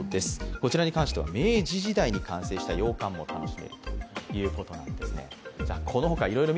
こちらに関しては明治時代に完成した洋館も楽しめるということです。